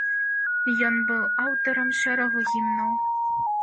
Ён быў аўтарам шэрагу гімнаў.